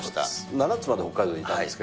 ７つまで北海道にいたんです